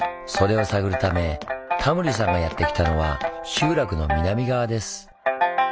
それを探るためタモリさんがやって来たのは集落の南側です。